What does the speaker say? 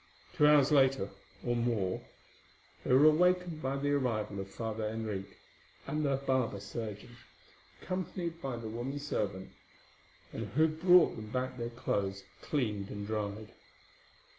Two hours later or more they were awakened by the arrival of Father Henriques and the barber surgeon, accompanied by the woman servant, and who brought them back their clothes cleaned and dried.